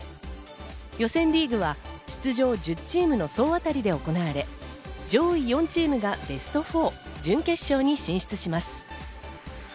予選リーグは出場１０チームの総当たりで行われ、上位４チームがベスト４、準決勝に進出します。